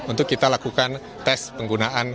untuk kita lakukan tes penggunaan